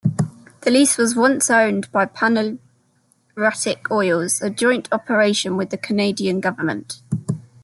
The lease was owned by Panarctic Oils, a joint operation with the Canadian Government.